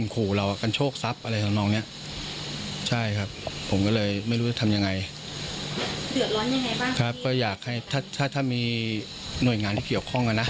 ก็อยากให้ถ้ามีหน่วยงานที่เกี่ยวข้องนะ